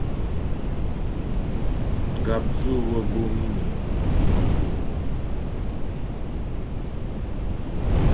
Gàpdzʉ wə́ bǒ mǐmi.